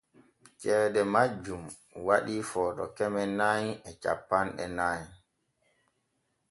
Ceede majjun waɗii Footo keme nay e cappanɗe nay.